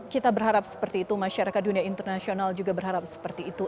kita berharap seperti itu masyarakat dunia internasional juga berharap seperti itu